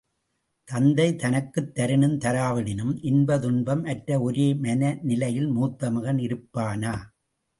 தந்தை தனக்குத் தரினும் தராவிடினும் இன்ப துன்பம் அற்ற ஒரே மன நிலையில் மூத்த மகன் இருப்பானா?